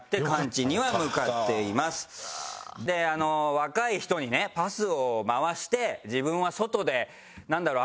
若い人にねパスを回して自分は外でなんだろう